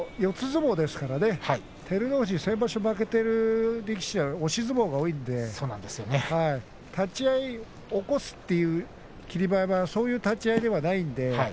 相撲ですから照ノ富士、先場所負けている力士は押し相撲が多いので立ち合い起こすという霧馬山そういう立ち合いではないので。